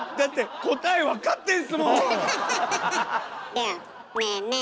ではねえねえ